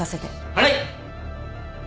はい！